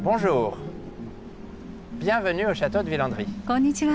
こんにちは。